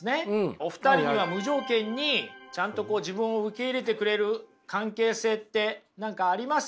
お二人には無条件にちゃんと自分を受け入れてくれる関係性って何かあります？